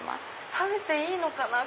食べていいのかな？